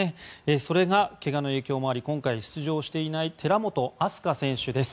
それが怪我の影響もあり今回出場していない寺本明日香選手です。